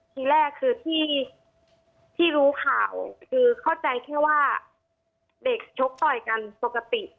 ทีแรกคือที่รู้ข่าวคือเข้าใจแค่ว่าเด็กชกต่อยกันปกติ